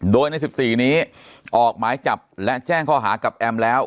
โดยใน๑๔นี้ออกหมายจับและแจ้งข้อหากับแอมแล้ว